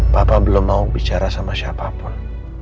bapak belum mau bicara sama siapapun